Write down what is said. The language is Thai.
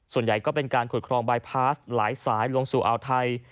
ส่วนใหญ่ก็เป็นการขุดครองบายพาสหลายสายลงสู่อ่าวไทย